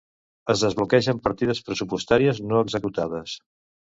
Es desbloquegen partides pressupostàries no executades.